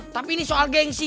tapi ini soal gengsi